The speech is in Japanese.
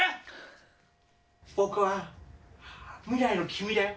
僕は未来の君だよ。